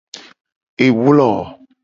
Ewlo.